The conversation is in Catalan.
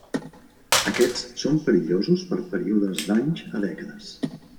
Aquests són perillosos per períodes d'anys a dècades.